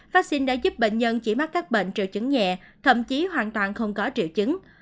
phát sinh đã giúp bệnh nhân chỉ mắc các bệnh triệu chứng nhẹ thậm chí hoàn toàn không có triệu chứng